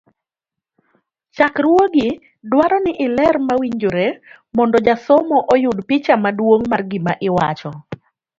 chakruogi dwaro ni iler mawinjore mondo jasomo oyud picha maduong' mar gima iwacho.